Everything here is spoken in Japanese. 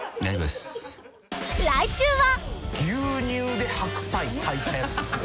［来週は］